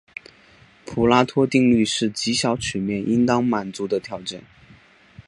普拉托定律是极小曲面应当满足的条件。